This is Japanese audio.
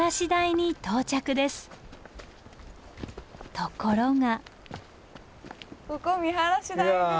ところが。